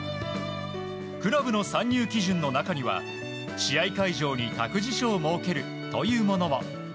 クラブの参入基準の中には試合会場に託児所を設けるというものも。